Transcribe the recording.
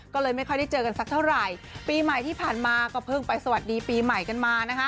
ก็เลยไม่ค่อยได้เจอกันสักเท่าไหร่ปีใหม่ที่ผ่านมาก็เพิ่งไปสวัสดีปีใหม่กันมานะคะ